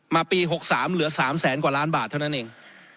ปี๖๓เหลือ๓แสนกว่าล้านบาทเท่านั้นเอง